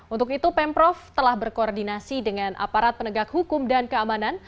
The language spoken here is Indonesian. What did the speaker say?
untuk itu pemprov telah berkoordinasi dengan aparat penegak hukum dan keamanan